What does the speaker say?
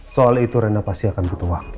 soal itu renda pasti akan butuh waktu